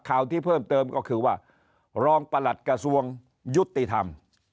ข่าวที่เพิ่มเติมก็คือว่ารองประหลัดกระทรวงยุติธรรม